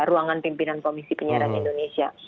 ruangan pimpinan komisi penyiaran indonesia